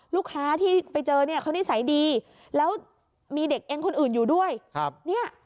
ลูกค้าที่ไปเจอเขานิสัยดีแล้วมีเด็กเอ็นคนอื่นอยู่ด้วย